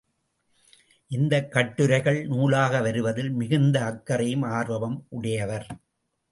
இந்தக் கட்டுரைகள் நூலாக வருவதில் மிகுந்த அக்கறையும் ஆர்வமும் உடையவர்.